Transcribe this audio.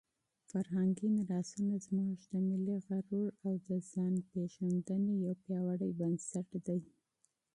فرهنګي میراثونه زموږ د ملي غرور او د ځانپېژندنې یو پیاوړی بنسټ دی.